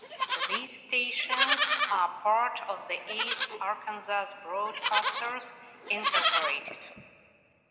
These stations are part of the East Arkansas Broadcasters, Incorporated.